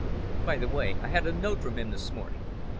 "By the way, I had a note from him this morning."